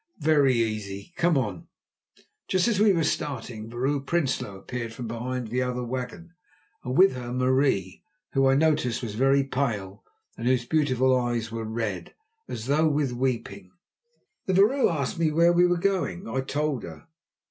"Very easy. Come on." Just as we were starting Vrouw Prinsloo appeared from behind the other wagon, and with her Marie, who, I noticed, was very pale and whose beautiful eyes were red, as though with weeping. The vrouw asked me where we were going. I told her.